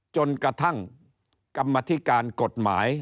จนกระทั่งกรรมธิการกฎหมาย